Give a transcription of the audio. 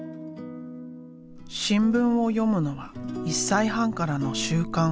新聞を読むのは１歳半からの習慣。